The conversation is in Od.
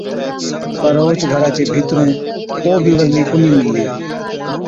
پَر اوهچ گھرا چي ڀِيترُون ڪو بِي ورندِي ڪونهِي مِللِي۔